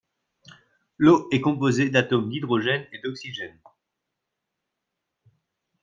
L'eau est composée d'atomes d'hydrogène et d'oxygène.